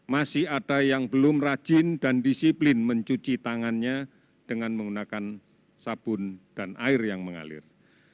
masih ada yang belum rajin dan disiplin mencuci tangannya dengan menggunakan sabun dan air yang mengalir